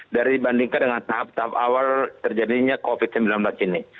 dari dibandingkan dengan tahap tahap awal terjadinya covid sembilan belas ini